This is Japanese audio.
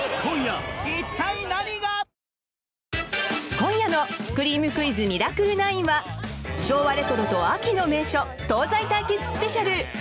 今夜の「くりぃむクイズミラクル９」は昭和レトロと秋の名所東西対決スペシャル！